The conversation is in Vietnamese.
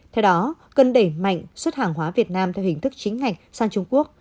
theo đó cần đẩy mạnh xuất hàng hóa việt nam theo hình thức chính ngạch sang trung quốc